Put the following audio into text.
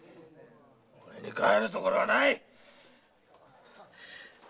俺に帰るところはないっ！